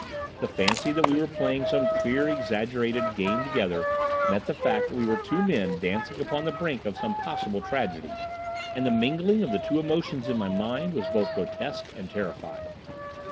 The fancy that we were playing some queer, exaggerated game together met the fact that we were two men dancing upon the brink of some possible tragedy, and the mingling of the two emotions in my mind was both grotesque and terrifying.